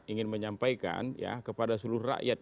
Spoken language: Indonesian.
ingin menyampaikan ya kepada seluruh rakyat